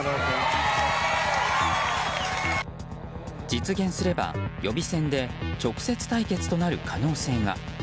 実現すれば予備選で直接対決となる可能性が。